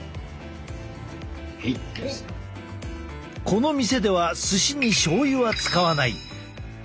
この店では寿司にしょう油は使わない。